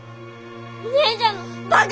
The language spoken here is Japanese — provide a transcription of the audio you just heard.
お姉ちゃんのバカ！